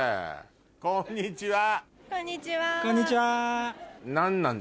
こんにちは。